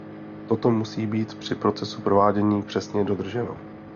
Toto musí být při procesu provádění přesně dodrženo.